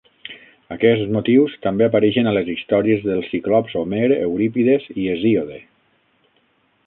Aquests motius també apareixen a les històries dels ciclops Homer, Eurípides i Hesíode.